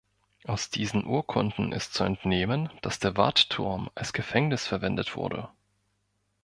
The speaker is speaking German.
Aus diesen Urkunden ist zu entnehmen, dass der Wartturm als Gefängnis verwendet wurde.